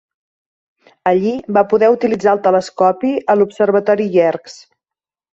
Allí va poder utilitzar el telescopi a l'Observatori Yerkes.